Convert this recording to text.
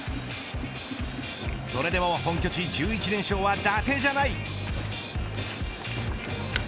それでも本拠地１１連勝はだてじゃない。